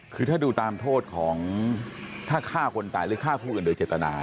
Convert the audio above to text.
คือถ้าดูตามโทษของถ้าฆ่าคนตายหรือฆ่าผู้อื่นโดยเจตนา